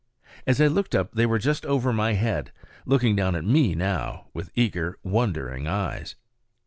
As I looked up they were just over my head, looking down at me now with eager, wondering eyes.